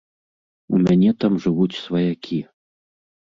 У мяне там жывуць сваякі.